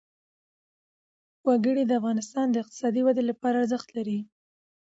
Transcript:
وګړي د افغانستان د اقتصادي ودې لپاره ارزښت لري.